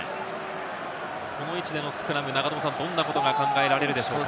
この位置でのスクラム、どんなことが考えられるでしょうか？